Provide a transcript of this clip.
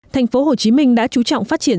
tp hcm đã chú trọng phát triển